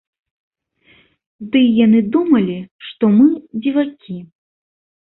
Ды й яны думалі, што мы дзівакі.